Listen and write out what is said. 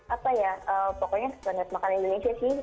apa ya pokoknya setelah makan indonesia sih